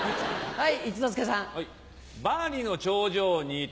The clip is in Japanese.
はい。